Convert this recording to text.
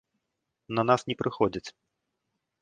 На нас не прыходзяць.